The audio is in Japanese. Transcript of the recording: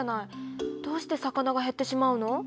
どうして魚が減ってしまうの？